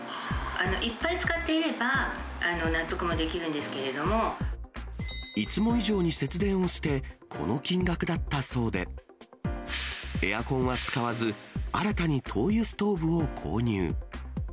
いっぱい使っていれば、いつも以上に節電をして、この金額だったそうで、エアコンは使わず、新たに灯油ストーブを購入。